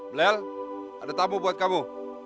blel ada tamu buat kamu